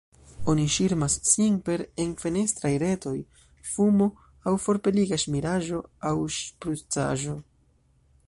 Oni ŝirmas sin per enfenestraj retoj, fumo aŭ forpeliga ŝmiraĵo aŭ ŝprucaĵo.